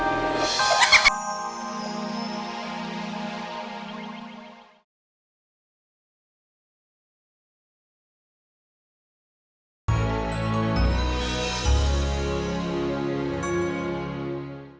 kau kain karuaku